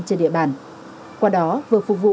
trên địa bàn qua đó vừa phục vụ